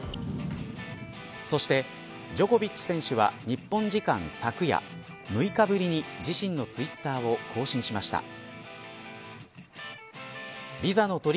そして、ジョコビッチ選手は日本時間昨夜６日ぶりに、自身のツイッターを更新しました。